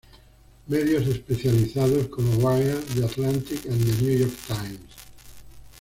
Medios especializados como "Wired", "The Atlantic", y "The New York Times".